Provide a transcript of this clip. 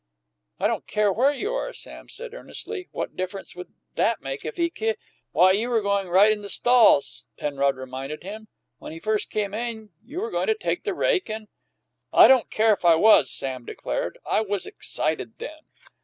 "I don't care where you are," Sam said earnestly. "What difference would that make if he ki " "Why, you were goin' right in the stall," Penrod reminded him. "When he first came in, you were goin' to take the rake and " "I don't care if I was," Sam declared. "I was excited then."